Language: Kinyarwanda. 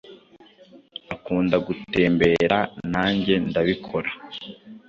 Akunda gutembera. Nanjye ndabikora.